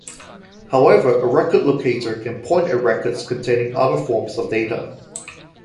However, a record locator can point at records containing other forms of data.